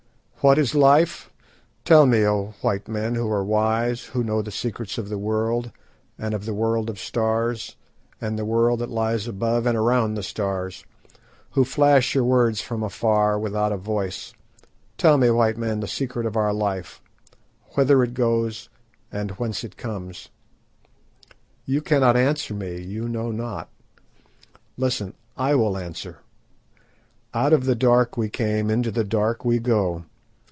"What is life? Tell me, O white men, who are wise, who know the secrets of the world, and of the world of stars, and the world that lies above and around the stars; who flash your words from afar without a voice; tell me, white men, the secret of our life—whither it goes and whence it comes! "You cannot answer me; you know not. Listen, I will answer. Out of the dark we came, into the dark we go.